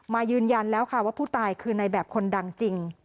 ยืนยันแล้วค่ะว่าผู้ตายคือในแบบคนดังจริง